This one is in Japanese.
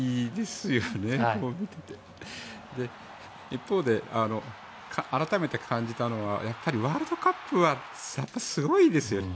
一方で改めて感じたのはやっぱりワールドカップはすごいですよね。